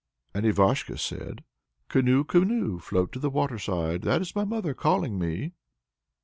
And Ivashko said: Canoe, canoe, float to the waterside; That is my mother calling me.